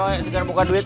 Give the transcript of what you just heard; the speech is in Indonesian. oh itu kan bukan duit